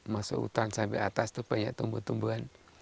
masuk hutan sampai atas itu banyak tumbuh tumbuhan